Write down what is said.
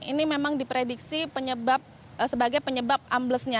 ini memang diprediksi sebagai penyebab amblesnya